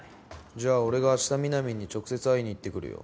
じゃあ俺が明日みなみんに直接会いに行ってくるよ。